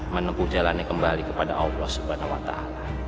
menempuh jalannya kembali kepada allah subhanahu wa ta'ala